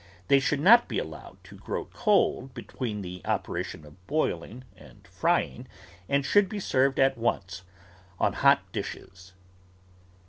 They should not be al lowed to grow cold between the operation of boil ing and frying and should be served at once on hot dishes.